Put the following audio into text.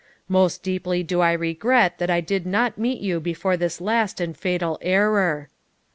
Most deeply do I regret that I did not meet you before this last and fatal error.'